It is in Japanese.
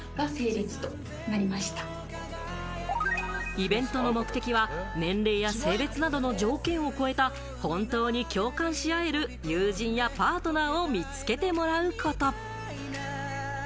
イベントの目的は、年齢や性別などの条件を超えた、本当に共感し合える友人やパートナーを見つけてもらうこと。